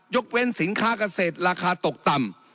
เว้นสินค้าเกษตรราคาตกต่ำ